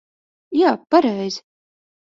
Jā, pareizi.